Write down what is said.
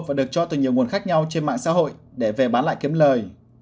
và được cho từ nhiều nguồn khác nhau trên mạng xã hội để về bán lại kiếm lời